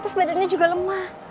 terus badannya juga lemah